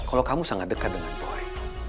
kalau kamu sangat dekat dengan polri